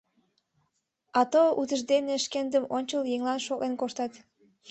— А то утыждене шкендым ончыл еҥлан шотлен коштат.